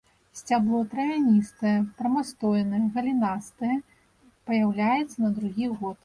Сцябло травяністае, прамастойнае, галінастае, паяўляецца на другі год.